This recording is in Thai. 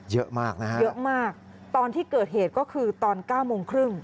เยอะมากนะฮะเยอะมากตอนที่เกิดเหตุก็คือตอน๙โมงครึ่ง